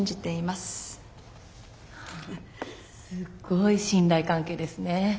すっごい信頼関係ですね。